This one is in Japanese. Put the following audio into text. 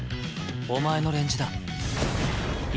お前のレンジだ潔。